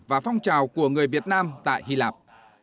và phong trào của người việt nam tại hy lạp